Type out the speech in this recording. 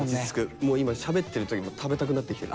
もう今しゃべってる時も食べたくなってきてる。